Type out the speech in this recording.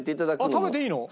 食べていいの？